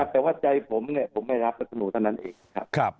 แต่ว่าใจผมเนี่ยผมไม่รับประสุนูท่านนั้นเองครับ